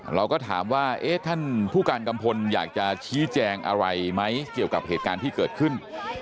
เราก็ถามว่าท่านผู้การกัมพลอยากจะชี้แจงอะไรไหมเกี่ยวกับเหตุการณ์ที่เกิดขึ้น